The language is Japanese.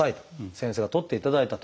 先生が取っていただいたと。